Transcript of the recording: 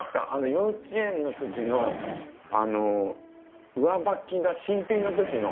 幼稚園のときの上履きが新品のときの。